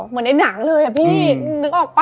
เหมือนในหนังเลยอะพี่นึกออกป่